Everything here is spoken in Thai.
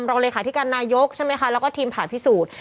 รองเลขาธิการนายกใช่ไหมคะแล้วก็ทีมผ่าพิสูจน์